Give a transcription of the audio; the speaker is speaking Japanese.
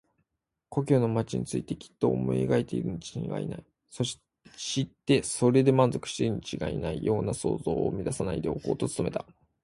故郷の町についてきっと思い描いているにちがいないような、そしてそれで満足しているにちがいないような想像を乱さないでおこうと努めた。